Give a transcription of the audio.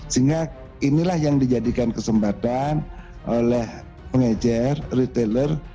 sehingga inilah yang dijadikan kesempatan oleh pengejar retailer